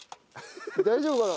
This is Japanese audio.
大丈夫かな？